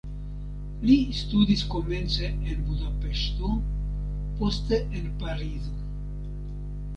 Li studis komence en Budapeŝto, poste en Parizo.